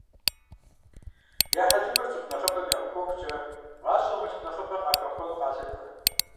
Я хьэлывэр цӀыху нэхъыбэм яӀухуэхукӀэ, гъэщӀэм мылъку нэхъыбэ къахэхъуэну къалъытэ.